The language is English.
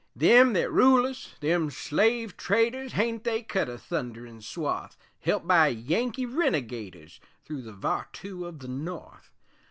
Them thet rule us, them slave traders, Hain't they cut a thunderin' swath (Helped by Yankee renegaders), Thru the vartu o' the North!